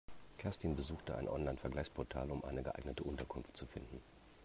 Kerstin besuchte ein Online-Vergleichsportal, um eine geeignete Unterkunft zu finden.